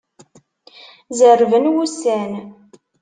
Zerrben wussan.